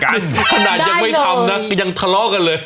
ขนาดยังไม่ทำนะก็ยังทะเลาะกันเลย